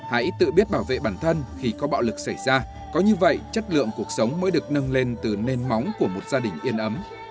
hãy tự biết bảo vệ bản thân khi có bạo lực xảy ra có như vậy chất lượng cuộc sống mới được nâng lên từ nền móng của một gia đình yên ấm